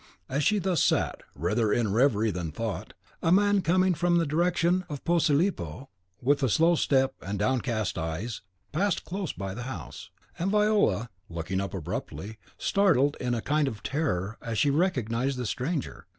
As she thus sat, rather in reverie than thought, a man coming from the direction of Posilipo, with a slow step and downcast eyes, passed close by the house, and Viola, looking up abruptly, started in a kind of terror as she recognised the stranger.